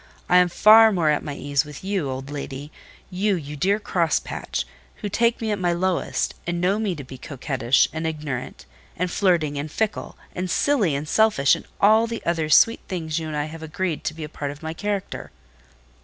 I am far more at my ease with you, old lady—you, you dear crosspatch—who take me at my lowest, and know me to be coquettish, and ignorant, and flirting, and fickle, and silly, and selfish, and all the other sweet things you and I have agreed to be a part of my character."